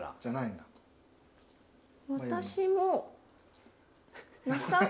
私も。